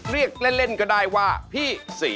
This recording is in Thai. เรียกเล่นก็ได้ว่าพี่ศรี